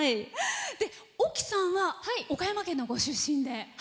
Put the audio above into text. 沖さんは岡山県のご出身で。